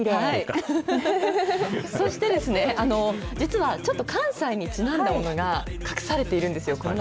そしてですね、実は、ちょっと関西にちなんだものが隠されているんですよ、この中。